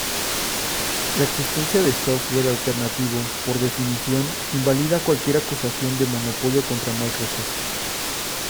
La existencia de software alternativo, por definición, invalida cualquier acusación de monopolio contra Microsoft.